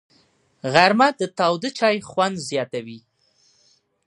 غرمه د تاوده چای خوند زیاتوي